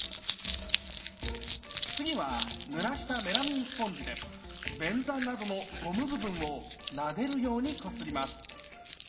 次はぬらしたメラミンスポンジで便座などのゴム部分をなでるようにこすります。